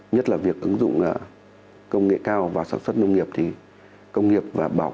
nhất là việc ứng dụng công nghệ cao và sản xuất nông nghiệp